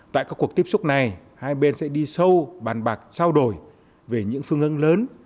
tại các cuộc tiếp xúc này hai bên sẽ đi sâu bàn bạc trao đổi về những phương hướng lớn